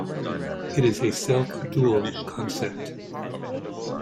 It is a self-dual concept.